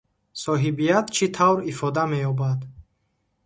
Соҳибият чӣ тавр ифода меёбад?